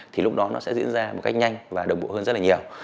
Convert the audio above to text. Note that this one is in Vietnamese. thì lúc đó nó sẽ diễn ra một cách nhanh và đồng bộ hơn rất là nhiều